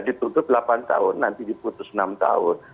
ditutup delapan tahun